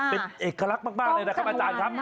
เป็นเอกลักษณ์มากเลยนะครับอาจารย์ครับ